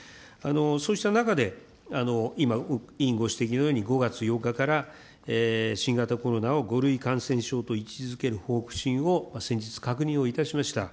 そうした中で今、委員ご指摘のように５月８日から新型コロナを５類感染症と位置づける方針を先日確認をいたしました。